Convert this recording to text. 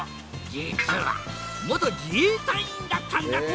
実は元自衛隊員だったんだって！